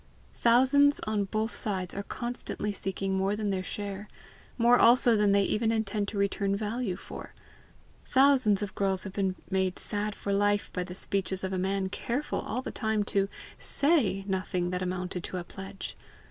Thousands on both sides are constantly seeking more than their share more also than they even intend to return value for. Thousands of girls have been made sad for life by the speeches of a man careful all the time to SAY nothing that amounted to a pledge!